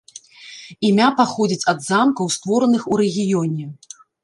Імя паходзіць ад замкаў створаных у рэгіёне.